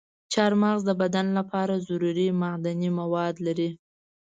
چارمغز د بدن لپاره ضروري معدني مواد لري.